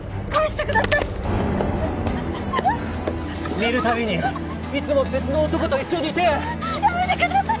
見るたびにいつも別の男と一緒にいてやめてくださいっ！